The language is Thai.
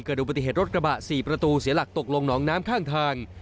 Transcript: ดูปฏิเหตุรถกระบะ๔ประตูเสียหลักตกลงหนองน้ำข้างทาง